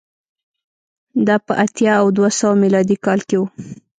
دا په اتیا او دوه سوه میلادي کال کې و